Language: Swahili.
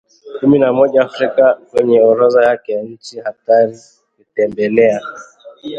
kumi na moja ya Afrika kwenye orodha yake ya nchi hatari kutembelea